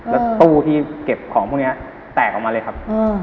แล้วตู้ที่เก็บของพวกนี้แตกออกมาเลยครับ